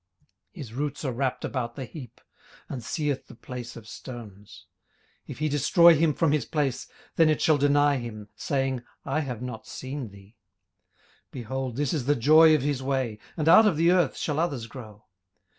18:008:017 His roots are wrapped about the heap, and seeth the place of stones. 18:008:018 If he destroy him from his place, then it shall deny him, saying, I have not seen thee. 18:008:019 Behold, this is the joy of his way, and out of the earth shall others grow.